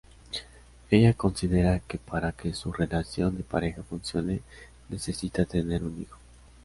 Ella considera que para que su relación de pareja funcione, necesita tener un hijo.